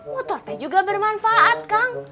motor teh juga bermanfaat kang